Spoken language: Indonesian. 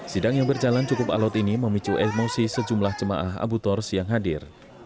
sidang yang berjalan cukup alat ini memicu emosi sejumlah jemaah abu tors yang hadir